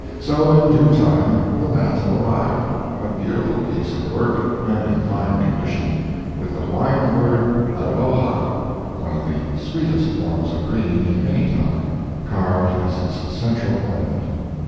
So, in due time, the mantel arrived, a beautiful piece of work and in fine condition, with the Hawaiian word, "Aloha," one of the sweetest forms of greeting in any tongue, carved as its central ornament.